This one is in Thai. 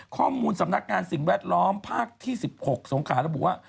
ข้อมูลสำนักงานสิ่งแวดล้อมภาคที่๑๖สงขาระบุว่า